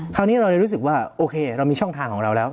คราวนี้เราเลยรู้สึกว่าโอเคเรามีช่องทางของเราแล้ว